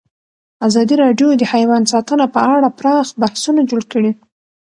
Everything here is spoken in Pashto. ازادي راډیو د حیوان ساتنه په اړه پراخ بحثونه جوړ کړي.